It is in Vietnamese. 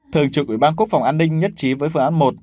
thường trực ủy ban quốc phòng an ninh nhất trí với phương án một